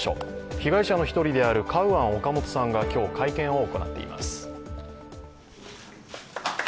被害者の一人であるカウアン・オカモトさんが今日会見を行っています。